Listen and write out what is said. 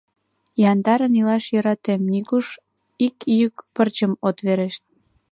Яндарын илаш йӧратем, нигушто ик шӱк пырчым от верешт.